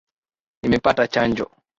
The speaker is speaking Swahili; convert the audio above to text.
Nimepata chanjo